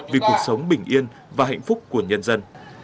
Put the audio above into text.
vì cuộc sống bình yên và hạnh phúc của nhân dân